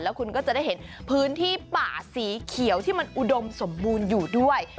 คุณก็จะได้เห็นพื้นที่ป่าสีเขียวที่มันอุดมสมบูรณ์อยู่ด้วย